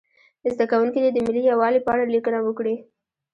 زده کوونکي دې د ملي یووالي په اړه لیکنه وکړي.